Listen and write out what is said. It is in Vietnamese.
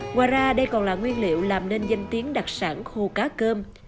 ngoài ra đây còn là nguyên liệu làm nên danh tiếng đặc sản khô cá cơm